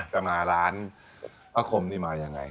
จะมาร้านพระคมนี่มาอย่างไร